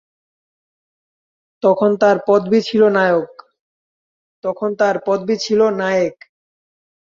তখন তাঁর পদবি ছিল নায়েক।